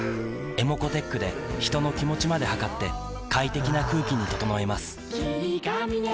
ｅｍｏｃｏーｔｅｃｈで人の気持ちまで測って快適な空気に整えます